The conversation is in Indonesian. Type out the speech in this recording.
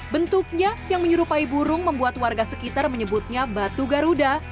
bentuknya yang menyerupai burung membuat warga sekitar menyebutnya batu garuda